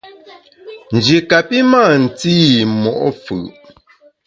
Nji kapi mâ nté i mo’ fù’.